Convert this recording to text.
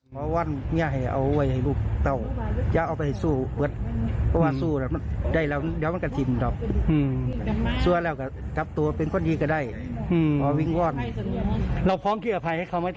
ฟังเขาแล้วกันนะฮะ